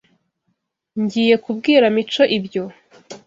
Ngiye kubwira Mico ibyo